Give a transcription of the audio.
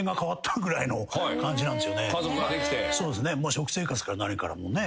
食生活から何からもうね。